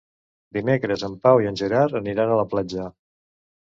Dimecres en Pau i en Gerard aniran a la platja.